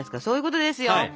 そういうことですよ。